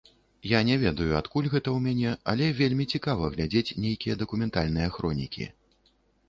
Я не ведаю, адкуль гэта ў мяне, але вельмі цікава глядзець нейкія дакументальныя хронікі.